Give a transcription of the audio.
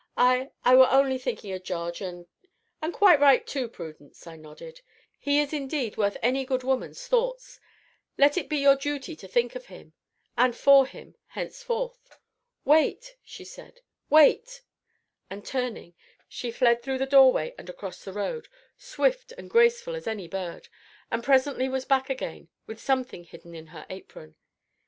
I I were only thinkin' of Jarge, and " "And quite right too, Prudence," I nodded; "he is indeed worth any good woman's thoughts; let it be your duty to think of him, and for him, henceforth." "Wait!" said she, "wait!" And turning, she fled through the doorway and across the road, swift and graceful as any bird, and presently was back again, with something hidden in her apron.